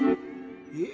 え？